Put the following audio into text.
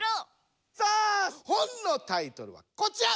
さあ本のタイトルはこちら！